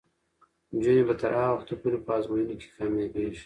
نجونې به تر هغه وخته پورې په ازموینو کې کامیابیږي.